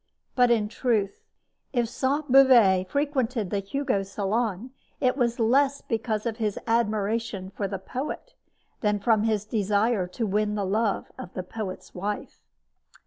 But in truth, if Sainte Beuve frequented the Hugo salon, it was less because of his admiration for the poet than from his desire to win the love of the poet's wife.